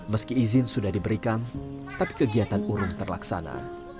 meski izin sudah diberikan tapi kegiatan urung terlaksana